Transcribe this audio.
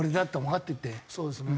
そうですね。